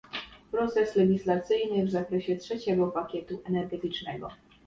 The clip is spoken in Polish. Proces legislacyjny w zakresie trzeciego pakietu energetycznego